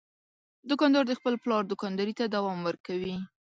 دوکاندار د خپل پلار دوکانداري ته دوام ورکوي.